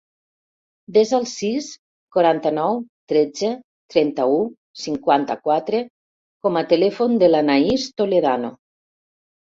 Desa el sis, quaranta-nou, tretze, trenta-u, cinquanta-quatre com a telèfon de l'Anaïs Toledano.